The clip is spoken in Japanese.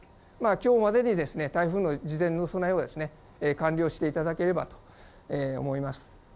きょうまでに台風の事前の備えは完了していただければと思います。